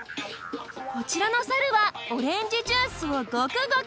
こちらの猿はオレンジジュースをゴクゴク